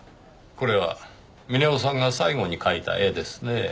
これは峰夫さんが最後に描いた絵ですねぇ。